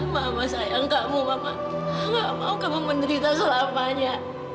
mama nggak mau kamu menderita selamanya